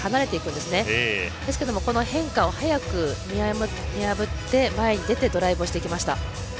ですけどもこの変化を早く見破って前に出てドライブをしていきました。